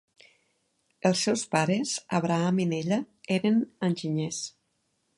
Els seus pares, Abram i Nella, eren enginyers.